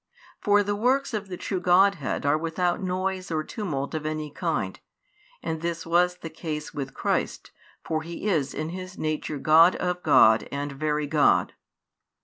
For the works of the true Godhead are without noise or tumult of any kind; and this was the case with Christ, for He is in His Nature God of God and Very God.